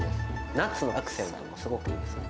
ナッツのアクセント、すごくいいですね。